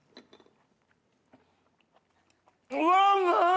うわうまい！